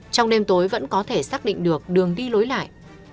trong đêm tối vẫn có thể xác định được đường đi lối lại